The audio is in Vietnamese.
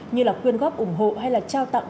như là quyên góp ủng hộ hay là trao tặng